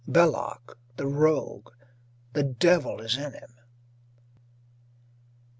Belloc, the rogue the devil is in him.